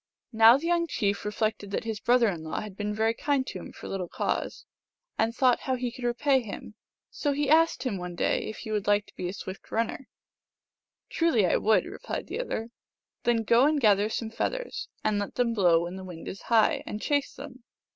Now the young chief reflected that his brother in law had been very kind to him, for little cause, and thought how he could repay him. So he asked him one day if he would like to be a swift runner. " Truly I would," replied the other. " Then go and gather some feathers, and let them blow when the wind is high, and chase them.